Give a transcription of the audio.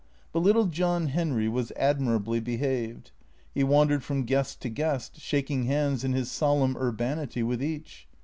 But little John Henry was admirably behaved. He wandered from guest to guest, shaking hands, in his solemn urbanity, with each.